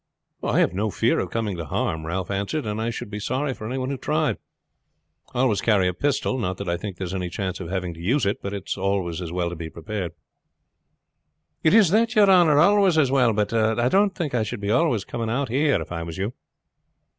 "I have no fear of coming to harm," Ralph answered; "and I should be sorry for any one who tried. I always carry a pistol. Not that I think there is any chance of having to use it but it's always as well to be prepared." "It is that, yer honor, always as well; but I don't think I should be always coming out here if I was you."